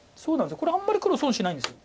これあんまり黒損しないんです。